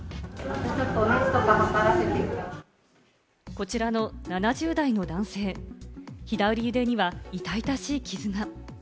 こちらの７０代の男性、左腕には痛々しい傷が。